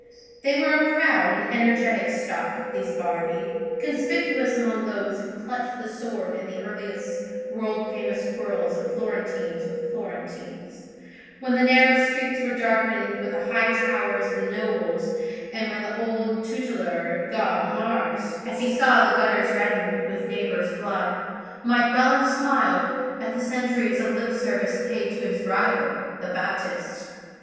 They were a proud and energetic stock, these Bardi; conspicuous among those who clutched the sword in the earliest world famous quarrels of Florentines with Florentines, when the narrow streets were darkened with the high towers of the nobles, and when the old tutelar god Mars, as he saw the gutters reddened with neighbours' blood, might well have smiled at the centuries of lip service paid to his rival, the Baptist.